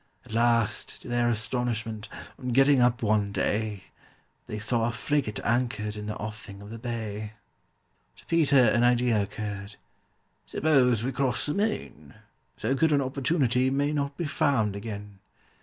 At last, to their astonishment, on getting up one day, They saw a frigate anchored in the offing of the bay. To PETER an idea occurred. "Suppose we cross the main? So good an opportunity may not be found again."